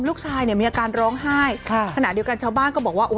ลูกชายเนี่ยมีอาการร้องไห้ค่ะขณะเดียวกันชาวบ้านก็บอกว่า